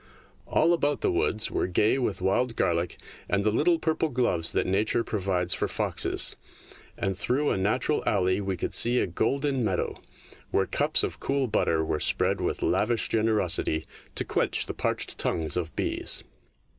All about the woods were gay with wild garlic and the little purple gloves that Nature pro vides for foxes, and through a natural alley we could see a golden meadow, where cups of cool butter were spread with lavish generosity to quench the parched tongues of bees.